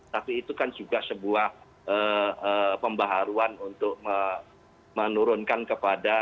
tapi itu kan juga sebuah pembaharuan untuk menurunkan kepada